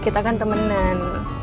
kita kan temenan